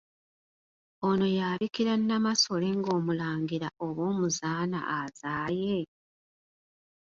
Ono y'abikira Nnamasole ng'omulangira oba omuzaana azaaye?